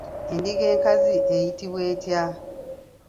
Endiga enkazi eyitibwa etya?